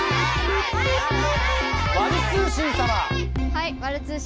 はい。